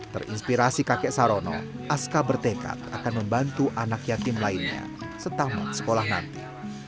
terinspirasi kakek sarono aska bertekad akan membantu anak yatim lainnya setamat sekolah nanti